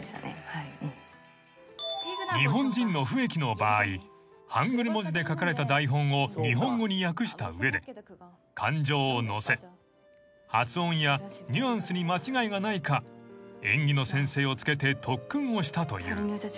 ［日本人の笛木の場合ハングル文字で書かれた台本を日本語に訳した上で感情を乗せ発音やニュアンスに間違いがないか演技の先生をつけて特訓をしたという］